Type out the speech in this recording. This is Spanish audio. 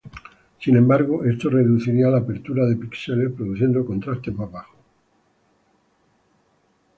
Sin embargo, esto reduciría la apertura de píxeles, produciendo contrastes más bajos.